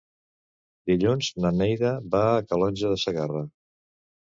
Dilluns na Neida va a Calonge de Segarra.